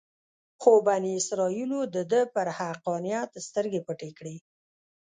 خو بني اسرایلو دده پر حقانیت سترګې پټې کړې.